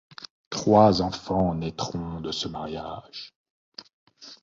Trois enfants naîtront de ce mariage.